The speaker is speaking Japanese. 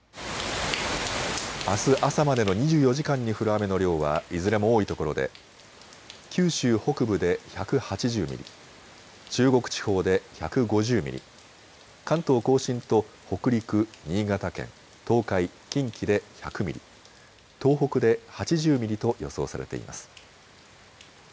あす朝までの２４時間に降る雨の量はいずれも多いところで九州北部で１８０ミリ、中国地方で１５０ミリ、関東甲信と北陸、新潟県、東海、近畿で１００ミリ、東北で８０ミリと予想されています。